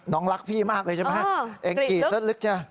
น้องรักพี่มากเลยใช่ไหมเอ็งกรีดกระลึกเข้าไปแล้ว